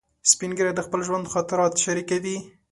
سپین ږیری د خپل ژوند خاطرات شریکوي